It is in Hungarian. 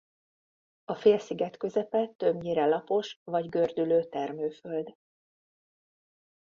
A félsziget közepe többnyire lapos vagy gördülő termőföld.